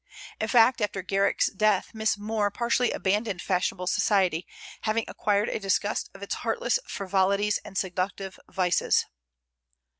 In fact, after Garrick's death Miss More partially abandoned fashionable society, having acquired a disgust of its heartless frivolities and seductive vices.